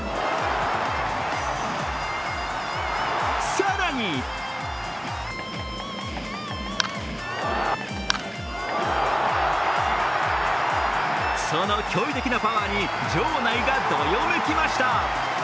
更にその驚異的なパワーに場内がどよめきました。